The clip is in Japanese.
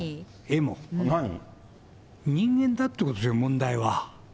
人間だということですよ、問題は。